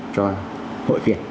cho hội viện